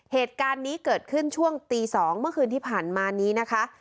เหตุการณ์นี้เกิดขึ้นช่วงตี๒เมื่อคืนที่ผ่านมานี้นะคะ